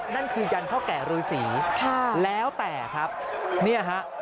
นั่นคือยันเพราะแก่รือสีแล้วแต่ครับนี่ฮะ